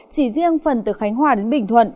chỉ riêng phần từ khánh hòa đến bình thuận